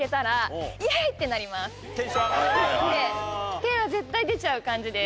て手は絶対出ちゃう感じです。